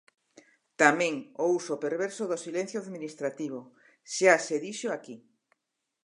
Tamén o uso perverso do silencio administrativo; xa se dixo aquí.